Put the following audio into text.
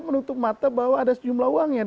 menutup mata bahwa ada sejumlah uang yang